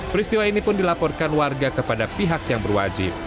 peristiwa ini pun dilaporkan warga kepada pihak yang berwajib